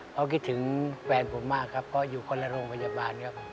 เขาคิดถึงแฟนผมมากครับเพราะอยู่คนละโรงพยาบาลครับ